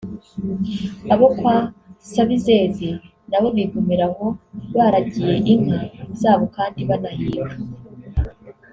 Abo kwa Sabizeze nabo bigumira aho baragiye inka zabo kandi banahiga